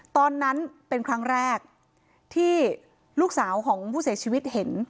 ตอนนั้นเป็นครั้งแรกที่ลูกสาวของผู้เสียชีวิตเห็น